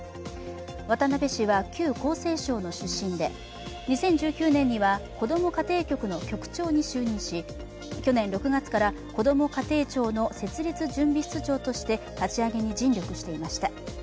渡辺氏は旧厚生省の出身で２０１９年には子ども家庭局の局長に就任し去年６月からこども家庭庁の設立準備室長として立ち上げに尽力していました。